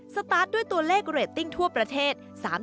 สตาร์ทด้วยตัวเลขเรตติ้งทั่วประเทศ